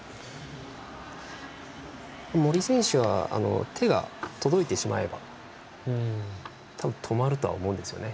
森選手は手が届いてしまえば多分、止まるとは思うんですよね。